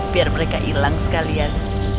biar mereka hilang sekalian